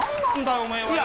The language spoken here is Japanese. お前はよ。